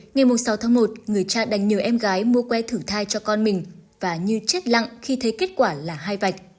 ngày sáu tháng một người cha đành nhờ em gái mua que thử thai cho con mình và như chết lặng khi thấy kết quả là hai vạch